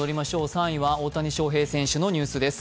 ３位は大谷翔平選手のニュースです。